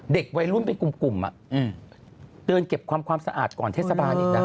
เด็กวัยรุ่นเป็นกลุ่มเดินเก็บความความสะอาดก่อนเทศบาลอีกนะ